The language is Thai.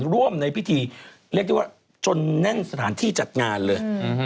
ร่วมในพิธีเรียกได้ว่าจนแน่นสถานที่จัดงานเลย